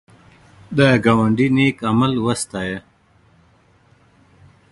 د ګاونډي نېک عمل وستایه